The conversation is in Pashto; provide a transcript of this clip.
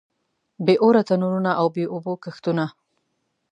بې اوره تنورونه او بې اوبو کښتونه.